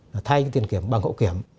là thay cái tiền kiểm bằng hậu kiểm